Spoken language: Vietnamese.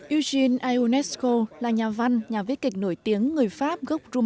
eugene ionesco là nhà văn nhà viết kịch nổi tiếng người pháp